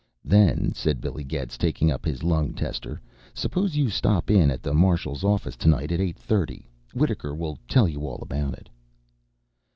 "Then," said Billy Getz, taking up his lung tester, "suppose you stop in at the Marshal's office to night at eight thirty. Wittaker will tell you all about it."